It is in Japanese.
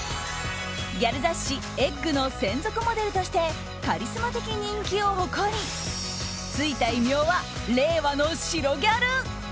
ギャル雑誌「ｅｇｇ」の専属モデルとしてカリスマ的人気を誇りついた異名は令和の白ギャル。